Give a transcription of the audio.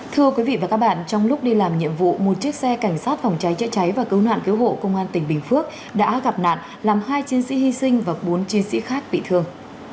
thưa quý vị và các bạn trong lúc đi làm nhiệm vụ một chiếc xe cảnh sát phòng cháy chữa cháy và cứu nạn cứu hộ công an tỉnh bình phước đã gặp nạn làm hai chiến sĩ hy sinh và bốn chiến sĩ khác bị thương